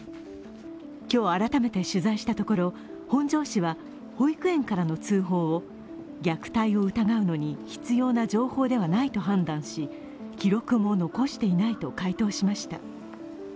今日改めて取材したところ本庄市は保育園からの通報を、虐待を疑うのに必要な情報ではないと判断し記録も残していないと回答しました。